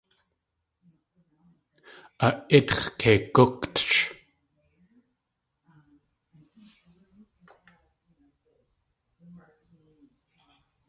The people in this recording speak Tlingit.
A ítx̲ kei gútch.